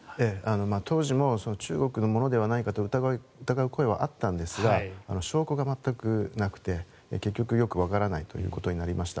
当時も中国のものではないかと疑う声はあったんですが証拠が全くなくて結局よくわからないということになりました。